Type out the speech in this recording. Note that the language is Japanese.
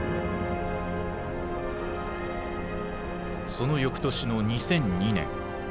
その翌年の２００２年。